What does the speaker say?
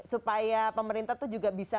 supaya pemerintah itu juga bisa